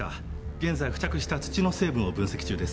現在付着した土の成分を分析中です。